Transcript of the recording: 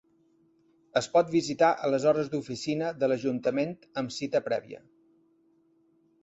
Es pot visitar a les hores d'oficina de l'ajuntament amb cita prèvia.